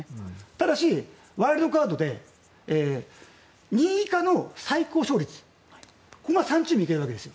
ただし、ワイルドカードで２位以下の最高勝率ここが３チーム行けるわけです。